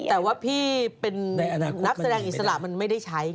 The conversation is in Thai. แต่ว่าพี่เป็นนักแสดงอิสระมันไม่ได้ใช้